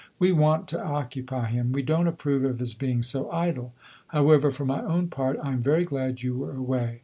We want to occupy him; we don't approve of his being so idle. However, for my own part, I am very glad you were away.